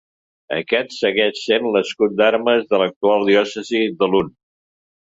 Aquest segueix sent l'escut d'armes de l'actual diòcesi de Lund.